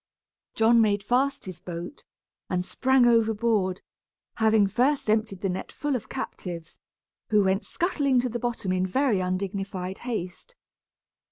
John made fast his boat, and sprang overboard, having first emptied the net full of captives, who went scuttling to the bottom in very undignified haste.